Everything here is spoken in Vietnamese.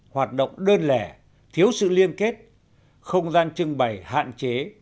hoạt động đơn lẻ thiếu sự liên kết không gian trưng bày hạn chế